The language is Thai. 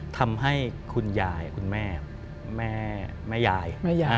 ทำให้คุณยายคุณแม่แม่ยาย